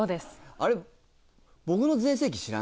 あれ？